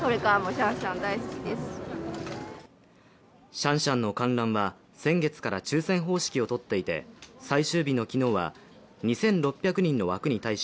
シャンシャンの観覧は先月から抽選方式をとっていて最終日の昨日は２６００人の枠に対し